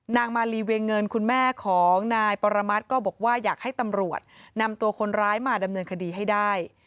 มาลีเวียงเงินคุณแม่ของนายปรมัติก็บอกว่าอยากให้ตำรวจนำตัวคนร้ายมาดำเนินคดีให้ได้